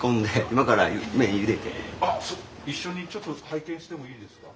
あっ一緒にちょっと拝見してもいいですか？